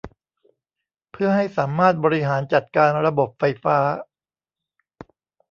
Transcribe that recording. เพื่อให้สามารถบริหารจัดการระบบไฟฟ้า